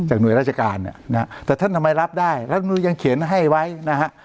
หน่วยราชการเนี่ยนะฮะแต่ท่านทำไมรับได้รัฐมนุนยังเขียนให้ไว้นะฮะ